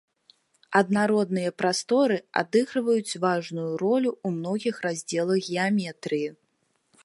Аднародныя прасторы адыгрываюць важную ролю ў многіх раздзелах геаметрыі.